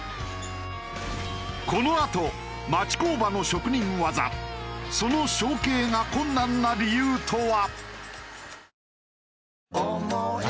このあと町工場の職人技その承継が困難な理由とは？